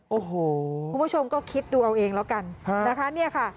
โอ้โหคุณผู้ชมก็คิดดูเอาเองแล้วกันนะคะเนี่ยค่ะ